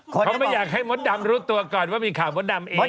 เขาก็ไม่อยากให้มสด่ำรู้ตัวก่อนว่ามีข่าวมสดัมเองเนี่ย